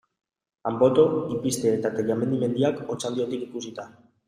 Anboto, Ipizte eta Tellamendi mendiak, Otxandiotik ikusita.